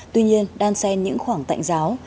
tuy nhiên đang xen những khoảng tạnh giáo